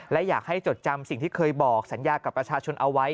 และอยากให้จดจำสิ่งที่เคยบอกสัญญากับประชาชนเอาไว้